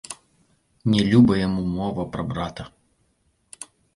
Не люба яму мова пра брата.